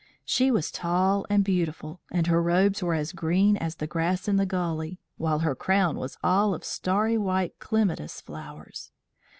She was tall and beautiful, and her robes were as green as the grass in the gully, while her crown was all of starry white clematis flowers.